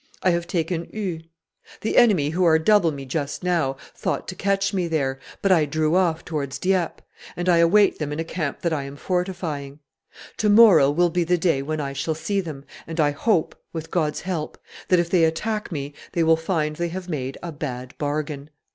I have taken Eu. The enemy, who are double me just now, thought to catch me there; but I drew off towards Dieppe, and I await them in a camp that I am fortifying. Tomorrow will be the day when I shall see them, and I hope, with God's help, that if they attack me they will find they have made a bad bargain.